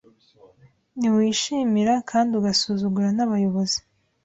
Ntiwishima kandi ugasuzugura nabayobozi